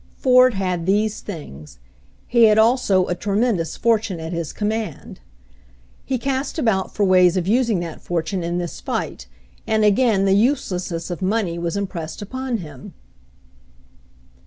Ford had these things; he had also a tre mendous fortune at his command. He cast about for ways of using that fortune in this fight, and again the uselessness of money was impressed upon him.